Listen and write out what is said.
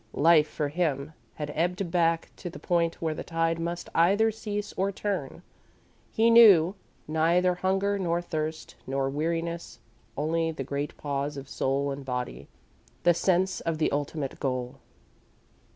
Life, for him, had ebbed back to the point where the tide must either cease or turn. He knew neither hunger nor thirst nor weariness; only the great pause of soul and body, the sense of the ultimate goal.